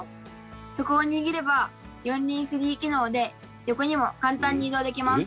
そこを握れば４輪フリー機能で横にも簡単に移動できます。